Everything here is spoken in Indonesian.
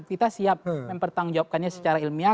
kita siap mempertanggung jawabkannya secara ilmiah